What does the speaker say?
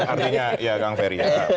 artinya ya kang ferry